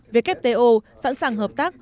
wto sẵn sàng hợp tác